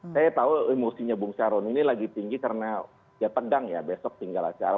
saya tahu emosinya bung syaron ini lagi tinggi karena ya pedang ya besok tinggal acara